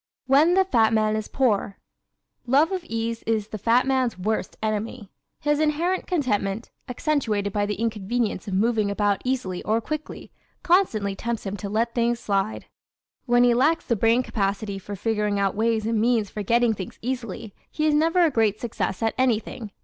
When the Fat Man is Poor ¶ Love of ease is the fat man's worst enemy. His inherent contentment, accentuated by the inconvenience of moving about easily or quickly, constantly tempts him to let things slide. When he lacks the brain capacity for figuring out ways and means for getting things easily he is never a great success at anything.